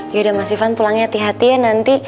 yaudah mas ivan pulangnya hati hati ya nanti